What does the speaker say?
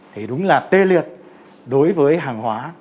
thì đúng là tê liệt đối với hàng hóa